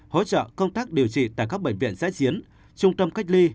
hỗ trợ công tác điều trị tại các bệnh viện giã chiến trung tâm cách ly